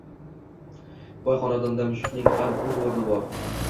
Boy xonadonda mushukning ham oʻz oʻrni bor